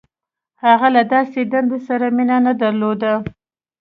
• هغه له داسې دندې سره مینه نهدرلوده.